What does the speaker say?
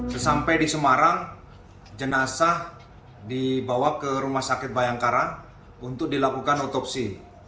sesampai di semarang jenazah dibawa ke rumah sakit bayangkara untuk dilakukan otopsi